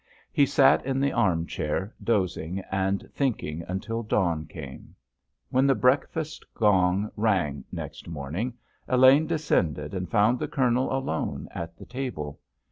He sat in the arm chair, dozing and thinking, until dawn came. When the breakfast gong rang next morning Elaine descended and found the Colonel alone at the table.